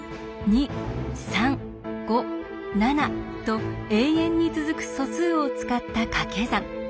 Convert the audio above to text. ２３５７と永遠に続く素数を使った掛け算。